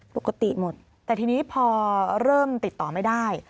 ปกติหมดแต่ทีนี้พอเริ่มติดต่อไม่ได้